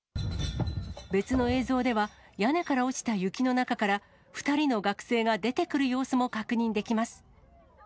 別の映像では、屋根から落ちた雪の中から、２人の学生が出てくる様子も確認できます。